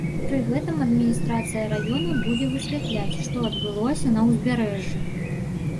Пры гэтым адміністрацыя раёна будзе высвятляць, што адбылося на ўзбярэжжы.